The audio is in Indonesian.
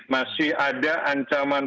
masih ada ancaman